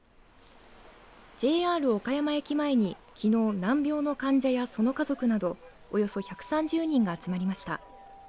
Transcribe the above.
ＪＲ岡山駅前にきのう難病の患者やその家族などおよそ１３０人が集まりました。